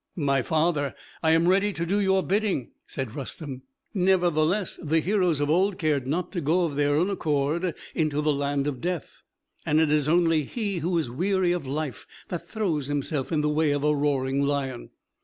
"My father, I am ready to do your bidding," said Rustem. "Nevertheless, the heroes of old cared not to go of their own accord into the land of death; and it is only he who is weary of life that throws himself in the way of a roaring lion.